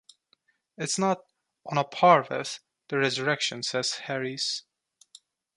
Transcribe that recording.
It's not "on a par with" the resurrection, says Harries.